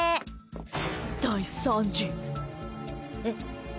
えっ？